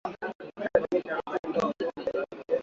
Ugonjwa wa kujikuna